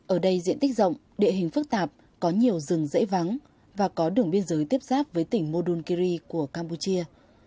ở đây diện tích rộng địa hình phức tạp có nhiều rừng dễ vắng và có đường biên giới tiếp xác với tỉnh modunkiri của campuchia